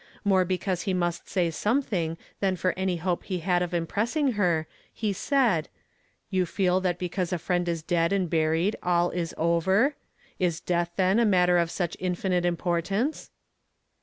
More because he must say something than for any hope he had of impress ing her, he said :—'^ "You feel that because a friend is dead and »tT f '\<'™? I^ death, then, a matter of such mhnite importance?"